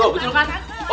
tuh betul kan